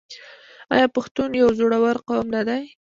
آیا پښتون یو زړور قوم نه دی؟